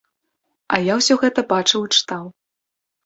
А я ўсё гэта бачыў і чытаў.